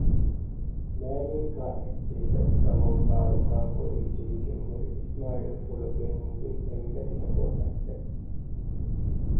ލައިގެންކާ އެއްޗެހި ދަތިކަމުން ހާރުކާން ހުރީ ޖެހިގެންހުރި އިސްމާއީލްފުޅު ގެއިން ދިން އެންމެ ރިހަ ބޯތައްޓެއް